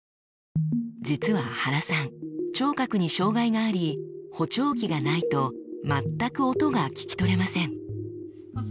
実は原さん聴覚に障がいがあり補聴器がないと全く音が聞き取れません。